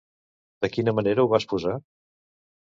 De quina manera ho va exposar?